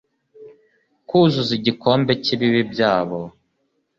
kuzuza igikombe cy’ibibi byabo,